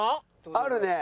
あるね。